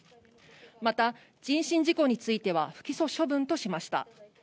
また、人身事故については不起訴処分としました。